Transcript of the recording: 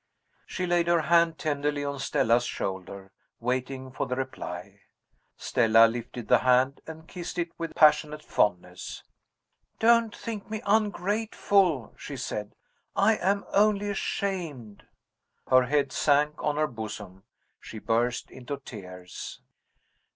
She laid her hand tenderly on Stella's shoulder, waiting for the reply. Stella lifted the hand and kissed it with passionate fondness. "Don't think me ungrateful," she said; "I am only ashamed." Her head sank on her bosom; she burst into tears.